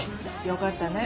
よかったね。